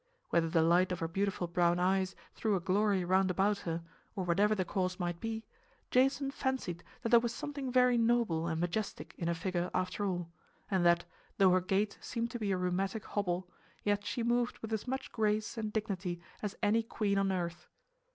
Whether the light of her beautiful brown eyes threw a glory round about her, or whatever the cause might be, Jason fancied that there was something very noble and majestic in her figure after all, and that, though her gait seemed to be a rheumatic hobble, yet she moved with as much grace and dignity as any queen on earth.